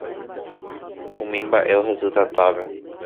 Umi mbaʼe ohesy tatápe.